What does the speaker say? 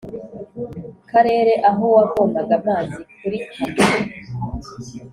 karere, aho wavomaga amazi kuri kano,